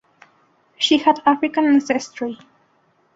She had African ancestry.